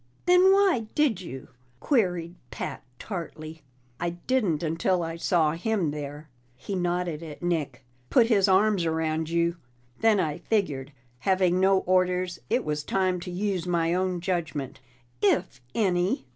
"Then why did you?" queried Pat tartly. "I didn't until I saw him there" he nodded at Nick "put his arms around you. Then I figured, having no orders, it was time to use my own judgment." "If any!"